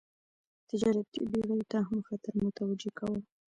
تجارتي بېړیو ته هم خطر متوجه کاوه.